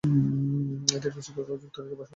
এদের বেশীর ভাগ যুক্তরাজ্যে বসবাস করেন।